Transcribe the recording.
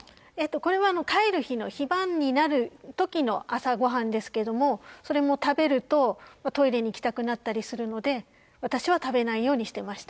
これは帰る日の、非番になるときの朝ごはんですけれども、それも食べると、トイレに行きたくなったりするので、私は食べないようにしていました。